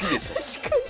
確かに。